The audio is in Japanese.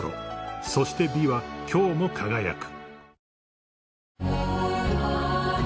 ［そして美は今日も輝く］